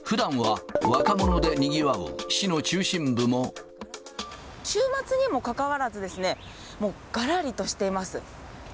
ふだんは、週末にもかかわらずですね、もうがらりとしています。